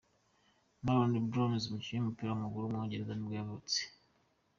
Marlon Broomes, umukinnyi w’umupira w’amaguru w’umwongereza nibwo yavutse.